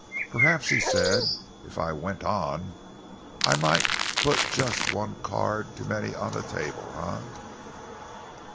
"Perhaps," he said, "if I went on I might put just one card too many on the table, eh?"